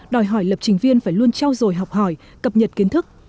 đòi hỏi lập trình viên phải luôn trao dồi học hỏi cập nhật kiến thức